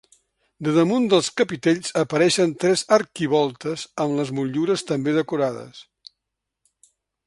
De damunt dels capitells apareixen tres arquivoltes amb les motllures també decorades.